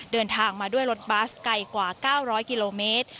เดินทางมาด้วยรถบัสไกลกว่า๙๐๐กิโลเมตร